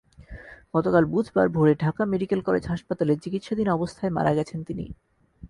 গতকাল বুধবার ভোরে ঢাকা মেডিকেল কলেজ হাসপাতালে চিকিৎসাধীন অবস্থায় মারা গেছেন তিনি।